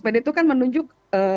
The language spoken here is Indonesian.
pada itu kan menunjuk